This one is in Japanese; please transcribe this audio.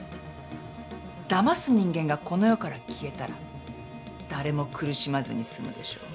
だます人間がこの世から消えたら誰も苦しまずに済むでしょ。